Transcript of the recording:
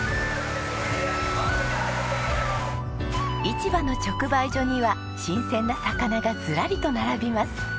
市場の直売所には新鮮な魚がずらりと並びます。